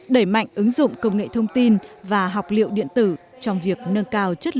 đẩy mạnh ứng dụng công nghệ thông tin và học liệu điện thoại